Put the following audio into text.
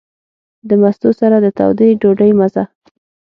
د مستو سره د تودې ډوډۍ مزه.